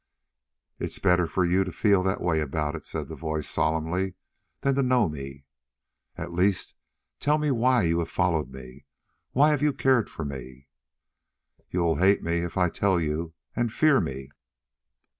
"It is better for you to feel that way about it," said the voice solemnly, "than to know me." "At least, tell me why you have followed me, why you have cared for me." "You will hate me if I tell you, and fear me."